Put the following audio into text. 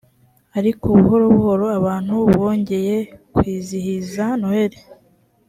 ariko buhoro buhoro abantu bongeye kwizihiza noheli